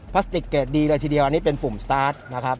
พลาสติกเกรดดีเลยทีเดียวอันนี้เป็นปุ่มสตาร์ทนะครับ